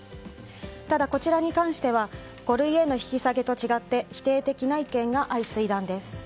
ただ、こちらに関しては五類への引き下げと違って否定的な意見が相次いだんです。